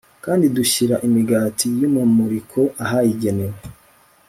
kandi dushyira imigati y'umumuriko ahayigenewe